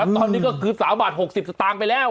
ตอนนี้ก็คือ๓บาท๖๐สตางค์ไปแล้ว